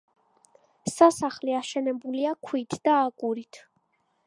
სასახლე აშენებულია ქვით და აგურით.